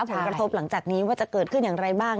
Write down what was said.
ผลกระทบหลังจากนี้ว่าจะเกิดขึ้นอย่างไรบ้าง